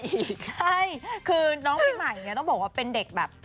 ใช่คือน้องปีใหม่เนี่ยต้องบอกว่าเป็นเด็กแบบ